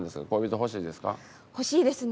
欲しいですね。